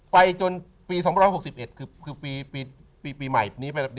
ไปจนปี๒๖๑คือปีใหม่